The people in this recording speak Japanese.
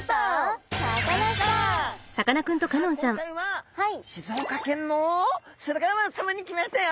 さあ今回は静岡県の駿河湾さまに来ましたよ。